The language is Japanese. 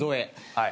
はい。